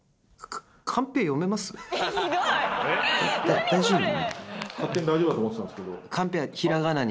だ大丈夫？